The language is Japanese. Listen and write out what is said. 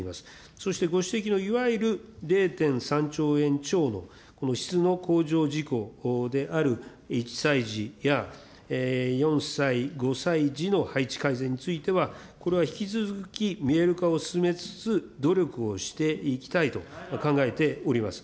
そしてご指摘の、いわゆる０．３兆円超のこの質の向上事項である１歳児や４歳、５歳児の配置改善については、これは引き続き見える化を進めつつ、努力をしていきたいと考えております。